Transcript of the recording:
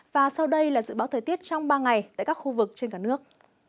và sau đây là dự báo thời tiết trong ba ngày tại các khu vực trên cả nước